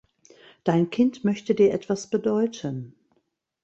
Dein Kind möchte dir etwas bedeuten.